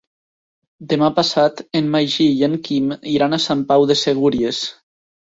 Demà passat en Magí i en Quim iran a Sant Pau de Segúries.